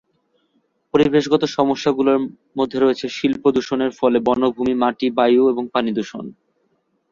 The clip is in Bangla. পরিবেশগত সমস্যাগুলোর মধ্যে রয়েছে শিল্প দূষণের ফলে বনভূমি, বায়ু, মাটি এবং পানি দূষণ।